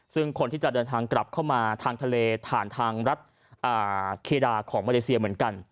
ซึ่งคนที่จะเดินทางกลับเข้ามาทางทะเลผ่านทางรัฐเคดาของมาเลเซียเหมือนกัน